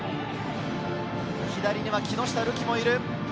左には木下瑠己がいる。